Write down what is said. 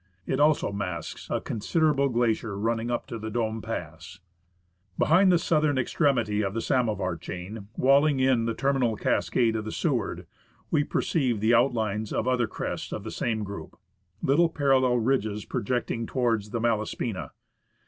It also masks a considerable glacier running up to the Dome Pass. NORTH BUTTRESS OF PINNACLE GLACIER. Behind the southern extremity of the Samovar chain, walling in the terminal cascade of the Seward, we perceive the outlines of other crests of the same group, little parallel ridges projecting towards the Malaspina.